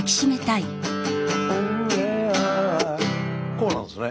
こうなんですね。